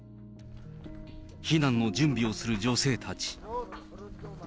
避難の準備をする女性たち。